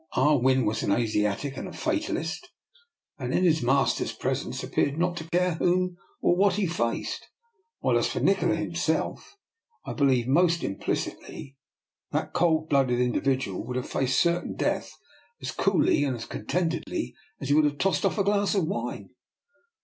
Ah Win was an Asiatic and a fatalist, and in his master's presence appeared not to care whom or what he faced; while, as for Nikola himself, I believe most implicitly 252 DR. NIKOLA'S EXPERIMENT. that cold blooded individual would have faced certain death as coolly and contentedly as he would have tossed off a glass of wine.